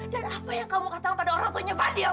dan apa yang kamu katakan pada orang tuanya fadil